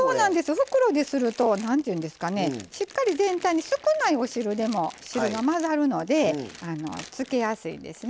袋でするとしっかり全体に少ないお汁でも汁が混ざるので漬けやすいんですね。